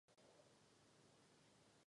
U většiny druhů jsou plody jedlé.